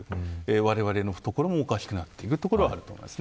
われわれの懐もおかしくなっているところはあると思います。